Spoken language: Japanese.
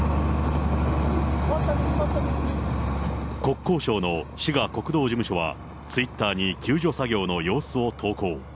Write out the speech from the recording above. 国交省の滋賀国道事務所は、ツイッターに救助作業の様子を投稿。